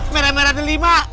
beda beda ada lima